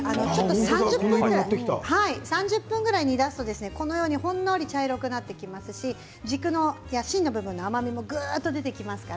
３０分ぐらい煮出すとほんのり茶色くなってきますし軸の芯の部分の甘みもぐっと出てきます。